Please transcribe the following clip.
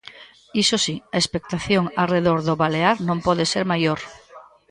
Iso si, a expectación arredor do balear non pode ser maior.